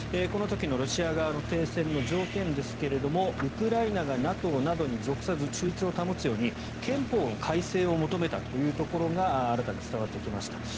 この時のロシア側の停戦の条件ですがウクライナがＮＡＴＯなどに属さず、中立を保つように憲法の改正を求めたというところが新たに伝わってきました。